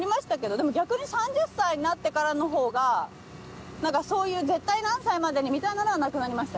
でも逆に３０歳になってからのほうがそういう「絶対何歳までに」みたいなのはなくなりました。